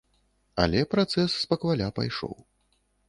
Але працэс спакваля пайшоў.